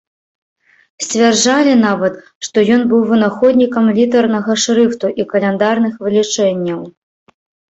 Сцвярджалі нават, што ён быў вынаходнікам літарнага шрыфту і каляндарных вылічэнняў.